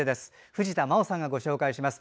藤田真央さんがご紹介します。